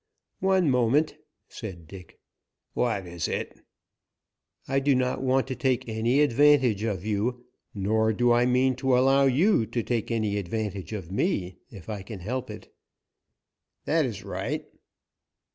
"One moment," said Dick. "What is it?" "I do not want to take any advantage of you, nor do I mean to allow you to take any advantage of me if I can help it." "That is right."